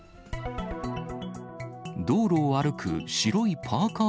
道路を歩く白いパーカー